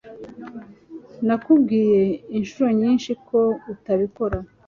Nakubwiye inshuro nyinshi ko utabikora